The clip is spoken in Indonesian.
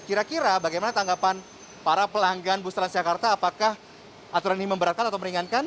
kira kira bagaimana tanggapan para pelanggan bus transjakarta apakah aturan ini memberatkan atau meringankan